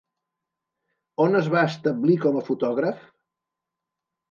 On es va establir com a fotògraf?